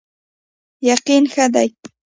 یقین ښه دی.